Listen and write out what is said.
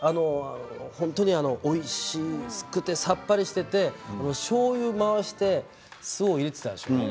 本当においしくってさっぱりしていてしょうゆを回して酢を入れていたでしょう？